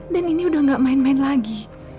dan ini udah gak main main lagi